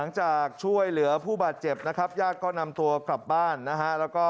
หลังจากช่วยเหลือผู้บาดเจ็บยากก็นำตัวกลับบ้านนะครับ